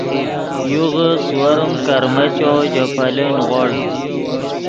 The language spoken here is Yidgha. یوغے سیورم کرمیچو ژے پیلے نیغوڑ